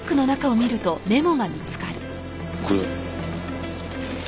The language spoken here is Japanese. これ。